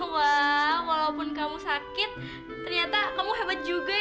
wah walaupun kamu sakit ternyata kamu hebat juga ya